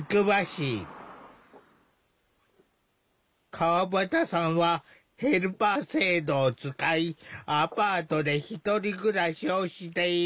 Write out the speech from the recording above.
川端さんはヘルパー制度を使いアパートで１人暮らしをしている。